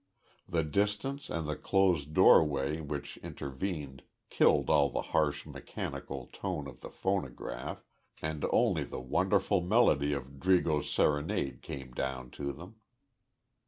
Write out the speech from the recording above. The distance and the closed doorway which intervened killed all the harsh mechanical tone of the phonograph and only the wonderful melody of "Drigo's Serenade" came down to them.